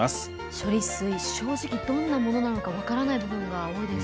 処理水正直、どんなものなのか分からない部分が多いです。